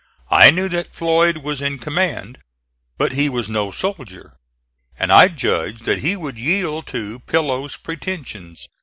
I knew that Floyd was in command, but he was no soldier, and I judged that he would yield to Pillow's pretensions.